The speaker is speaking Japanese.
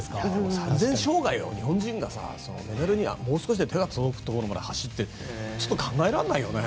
３０００障害を日本人がメダルにもう少しで手が届くところまで走ってるってちょっと考えられないですよね。